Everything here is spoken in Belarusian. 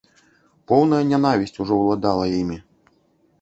Поўная нянавісць ужо ўладала імі.